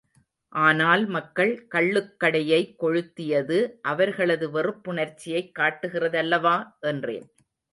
ஆனால் மக்கள் கள்ளுக்கடையை கொளுத்தியது அவர்களது வெறுப்புணர்ச்சியைக் காட்டு கிறதல்லவா? என்றேன்.